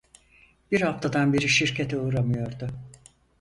Bir haftadan beri şirkete uğramıyordu.